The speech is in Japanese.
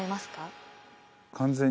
完全に。